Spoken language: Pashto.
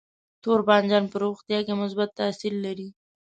تور بانجان په روغتیا کې مثبت تاثیر لري.